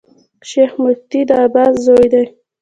شېخ متي د عباس زوی دﺉ.